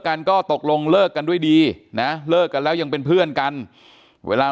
กันก็ตกลงเลิกกันด้วยดีนะเลิกกันแล้วยังเป็นเพื่อนกันเวลา